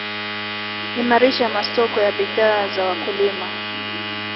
imarisha masoko ya bidhaa za wakulima